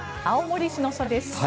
青森市の空です。